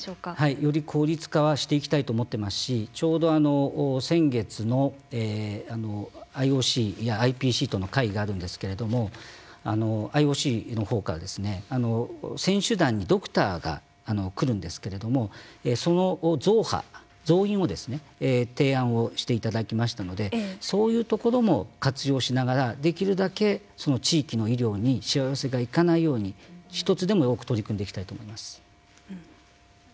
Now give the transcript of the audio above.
より効率化はしていきたいと思っていますしちょうど先月、ＩＯＣやＩＰＣとの会議があるんですけれどもＩＯＣのほうから選手団にドクターが来るんですけどその増派、増員を提案をしていただきましたのでそういうところも活用しながらできるだけ地域の医療にしわ寄せが行かないように１つでも多く取り組んでいきたいと思います。